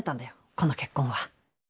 この結婚は。